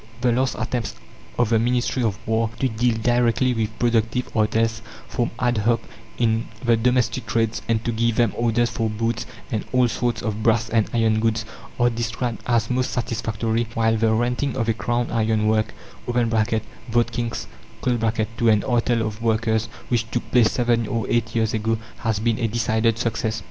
The last attempts of the Ministry of War to deal directly with productive artels, formed ad hoc in the domestic trades, and to give them orders for boots and all sorts of brass and iron goods, are described as most satisfactory; while the renting of a Crown iron work, (Votkinsk) to an artel of workers, which took place seven or eight years ago, has been a decided success.